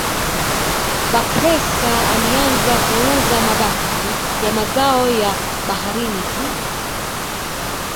Bakhresa alianza kuuza mabaki ya mazao ya baharini tu